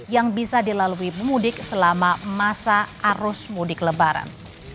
yang bisa dilalui pemudik selama masa arus mudik lebaran